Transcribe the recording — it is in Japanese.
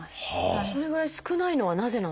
それぐらい少ないのはなぜなんですか？